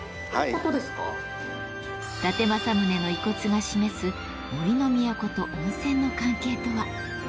伊達政宗の遺骨が示す杜の都と温泉の関係とは？